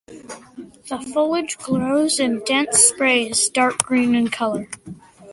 The foliage grows in dense sprays, dark green in colour.